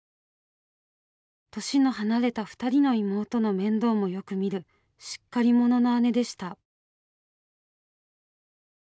年の離れた２人の妹の面倒もよく見るしっかり者の姉でした。